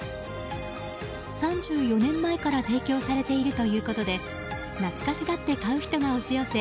３４年前から提供されているということで懐かしがって買う人が押し寄せ